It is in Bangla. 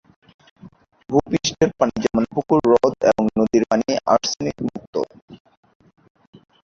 ভূপৃষ্ঠের পানি যেমন পুকুর, হ্রদ এবং নদীর পানি আর্সেনিকমুক্ত।